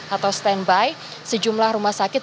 atau standby sejumlah rumah sakit